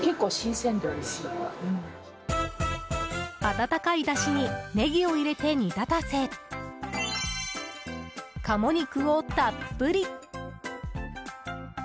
温かいだしにネギを入れて煮立たせ鴨肉をたっぷり！